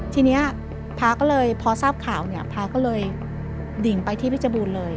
ทีนี้พระก็เลยพอทราบข่าวเนี่ยพระก็เลยดิ่งไปที่พิบูรณ์เลย